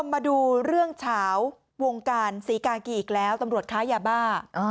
มาดูเรื่องเฉาวงการศรีกากีอีกแล้วตำรวจค้ายาบ้า